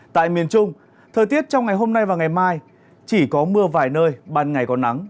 tại miền trung thời tiết trong ngày hôm nay và ngày mai chỉ có mưa vài nơi ban ngày có nắng